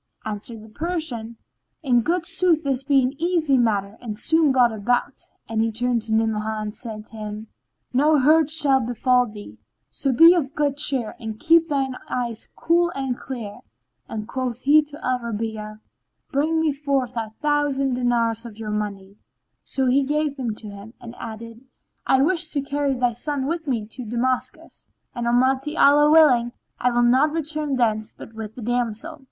Answered the Persian, "In good sooth this be an easy matter and soon brought about," and he turned to Ni'amah and said to him, "No hurt shall befall thee; so be of good cheer and keep thine eyes cool and clear." Then quoth he to Al Rabi'a, "Bring me out four thousand dinars of your money;" so he gave them to him, and he added, "I wish to carry thy son with me to Damascus; and Almighty Allah willing, I will not return thence but with the damsel."